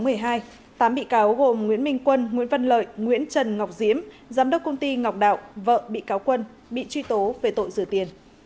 sáng bị cáo gồm nguyễn minh quân nguyễn văn lợi nguyễn trần ngọc diếm giám đốc công ty ngọc đạo vợ bị cáo quân bị truy tố về tội rửa tiền